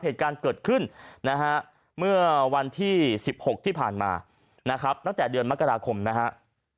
เหตุการณ์เกิดขึ้นนะฮะเมื่อวันที่๑๖ที่ผ่านมานะครับตั้งแต่เดือนมกราคมนะครับ